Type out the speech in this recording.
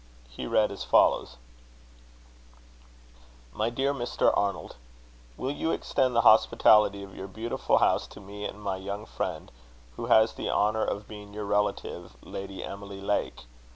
He read as follows: "MY DEAR MR. ARNOLD, "Will you extend the hospitality of your beautiful house to me and my young friend, who has the honour of being your relative, Lady Emily Lake?